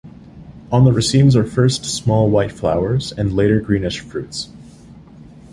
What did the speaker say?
On the racemes are first small white flowers, and later greenish fruits.